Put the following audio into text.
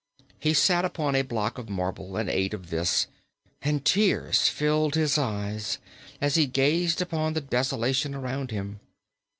He sat upon a block of marble and ate of this, and tears filled his eyes as he gazed upon the desolation around him.